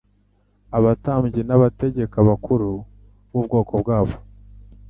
abatambyi, n'abategeka bakuru b'ubwoko bwabo.